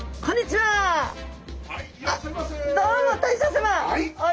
はい。